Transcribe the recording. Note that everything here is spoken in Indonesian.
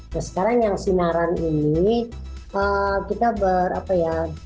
nah sekarang yang sinaran ini kita berapa ya